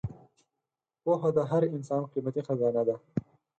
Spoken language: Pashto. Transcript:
پوهه د هر انسان قیمتي خزانه ده.